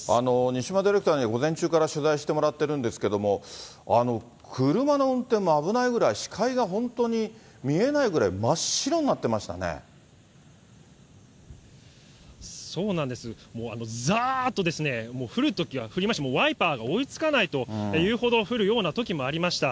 西村ディレクターに午前中から取材してもらってるんですけども、車の運転も危ないぐらい、視界が本当に見えないぐらい、真っそうなんです、もうざーっと降るときは降りまして、ワイパーが追いつかないというほど降るようなときもありました。